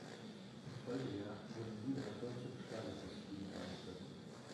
Im Folgejahr wurden wieder Deutsche Schlager-Festspiele veranstaltet.